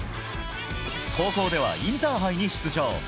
高校ではインターハイに出場。